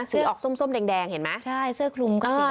สีออกซุ่มซุ่มแดงแดงเห็นไหมใช่เสื้อคลุมก็สีออกแดงแดง